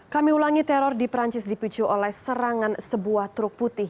kami ulangi teror di perancis dipicu oleh serangan sebuah truk putih